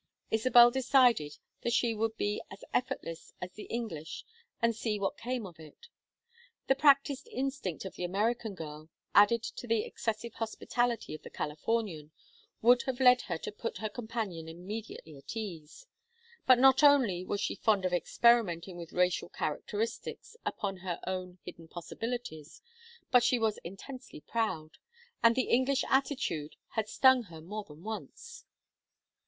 Isabel decided that she would be as effortless as the English and see what came of it. The practised instinct of the American girl, added to the excessive hospitality of the Californian, would have led her to put her companion immediately at ease, but not only was she fond of experimenting with racial characteristics upon her own hidden possibilities, but she was intensely proud, and the English attitude had stung her more than once.